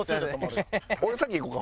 俺先いこうか？